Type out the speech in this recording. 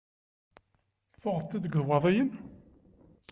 Tuɣeḍ-t-id deg Iwaḍiyen?